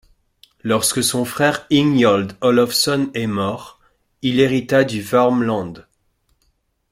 Lorsque son frère Ingjald Olofsson est mort, il hérita du Värmland.